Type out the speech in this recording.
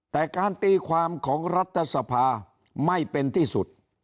แต่การตีความของรัฐสภาไม่เป็นที่สุด